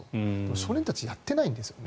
少年たち、やってないんです。